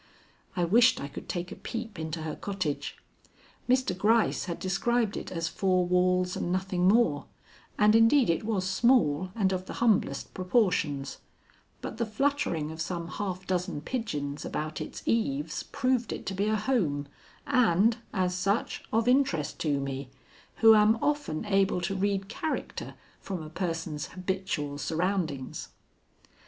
I wished I could take a peep into her cottage. Mr. Gryce had described it as four walls and nothing more, and indeed it was small and of the humblest proportions; but the fluttering of some half dozen pigeons about its eaves proved it to be a home and, as such, of interest to me, who am often able to read character from a person's habitual surroundings.